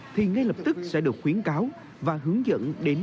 thì ngay lập tức sẽ được khuyến cáo và hướng dẫn đến